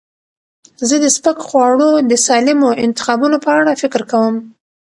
زه د سپک خواړو د سالمو انتخابونو په اړه فکر کوم.